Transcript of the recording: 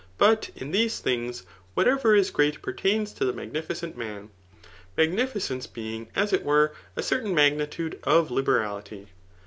But in these things whatever is great per tains to the magnificent man, magnificence being as it were a certain magnitude of liberality.